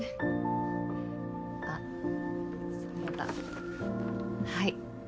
あっそうだはい。